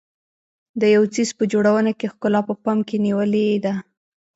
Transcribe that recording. د یو څیز په جوړونه کې ښکلا په پام کې نیولې ده.